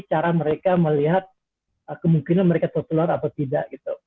cara mereka melihat kemungkinan mereka tertular atau tidak